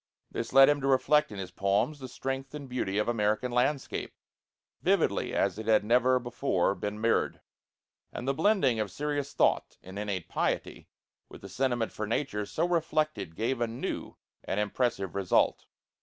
This led him to reflect in his poems the strength and beauty of American landscape, vividly as it had never before been mirrored; and the blending of serious thought and innate piety with the sentiment for nature so reflected gave a new and impressive result.